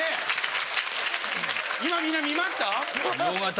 今みんな見ました？